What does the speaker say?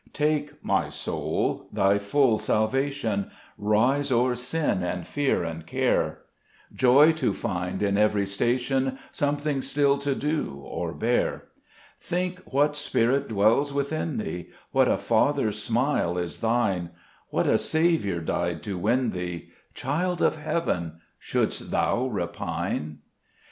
Take, my soul, thy full salvation, Rise o'er sin and fear and care ; Joy to find in every station Something still to do or bear ; Think what Spirit dwells within thee, What a Father's smile is thine, What a Saviour died to win thee : Child of heaven, shouldst thou repine